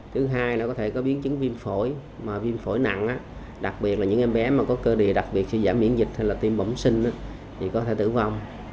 thứ hai là có thể có biến chứng viêm phổi mà viêm phổi nặng đặc biệt là những em bé có cơ địa đặc biệt siêu giả miễn dịch hay tiêm bổng sinh thì có thể tử vong